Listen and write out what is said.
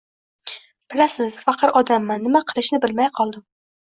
Bilasiz, faqir odamman, nima qilishni bilmay qoldim